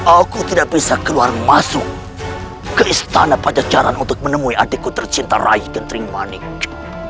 aku tidak bisa keluar masuk ke istana pajajaran untuk menemui adikku tercinta rayi kentrimanik